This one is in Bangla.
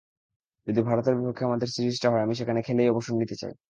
যদি ভারতের বিপক্ষে আমাদের সিরিজটা হয়, আমি সেখানে খেলেই অবসর নিতে চাই।